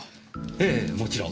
ええもちろん。